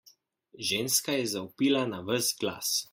Ženska je zavpila na ves glas.